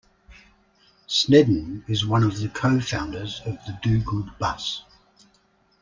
Snedden is one of the co-founders of the Do Good Bus.